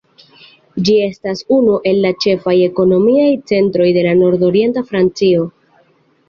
Ĝi estas unu el la ĉefaj ekonomiaj centroj de la nordorienta Francio.